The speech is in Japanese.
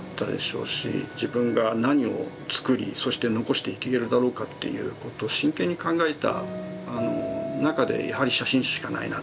自分が何を作りそして残していけるだろうかということを真剣に考えた中でやはり写真集しかないな。